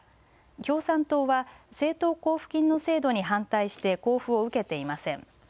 共産党は政党交付金の制度に反対して交付を受けていません。